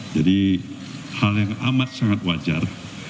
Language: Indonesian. jadi hal yang amat sangat wajar